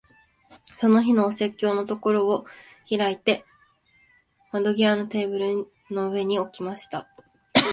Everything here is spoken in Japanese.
その日のお説教のところを開いて、窓際のテーブルの上に置きました。